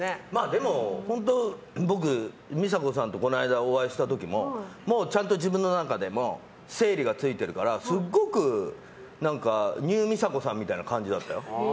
でも僕、美佐子さんとこの間お会いした時ももう、ちゃんと自分の中で整理がついているからすごくニュー美佐子さんみたいな感じだったよ。